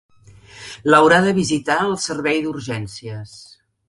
L'haurà de visitar el servei d'urgències.